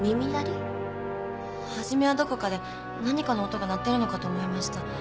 初めはどこかで何かの音が鳴ってるのかと思いました。